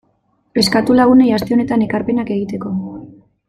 Eskatu lagunei aste honetan ekarpenak egiteko.